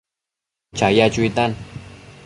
chaya chuitan